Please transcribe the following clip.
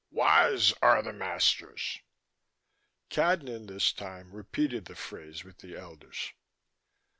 "Wise are the masters." Cadnan, this time, repeated the phrase with the elders.